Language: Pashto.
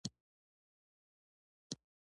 د موبایل له لارې نړۍ سره نښلېدای شو.